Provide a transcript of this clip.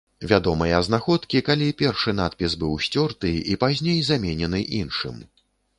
Вядомыя знаходкі, калі першы надпіс быў сцёрты і пазней заменены іншым.